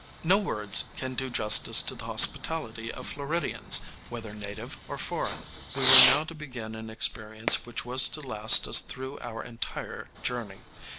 No words can do justice to the hospitality of Floridians, whether native or foreign. We were now to begin an experience which was to last us through our entire journey.